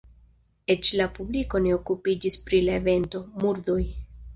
Eĉ la publiko ne okupiĝis pri la evento, murdoj.